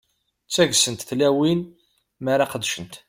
Ttaggsent tlawin mi ara qeddcent.